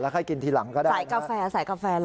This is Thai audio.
แล้วก็ให้กินทีหลังก็ได้ครับใส่กาแฟใส่กาแฟหรอ